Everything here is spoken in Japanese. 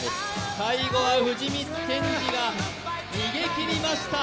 最後は藤光謙司が逃げ切りました。